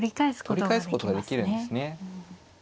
取り返すことができるんですね。